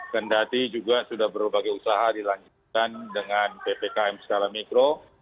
kendati juga sudah berbagai usaha dilanjutkan dengan ppkm skala mikro